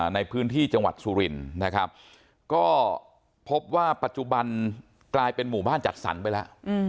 ในพื้นที่จังหวัดสุรินนะครับก็พบว่าปัจจุบันกลายเป็นหมู่บ้านจัดสรรไปแล้ว